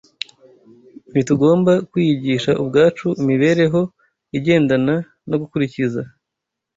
Ntitugomba kwiyigisha ubwacu imibereho igendana no gukurikiza